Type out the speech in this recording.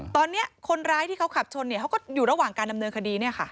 ตอนนี้คนร้ายที่เขาขับชนเขาก็อยู่ระหว่างการดำเนินคดี